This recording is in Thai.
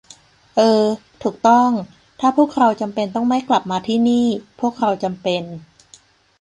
เออ ถูกต้อง ถ้าพวกเราจำเป็นต้องไม่กลับมาที่นี่ พวกเราจำเป็น